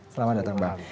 selamat datang bang